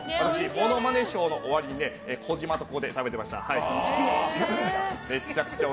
ものまねショーの終わりに児嶋とここで食べてました。